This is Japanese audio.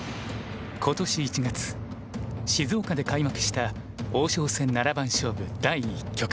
静岡で開幕した王将戦七番勝負第１局。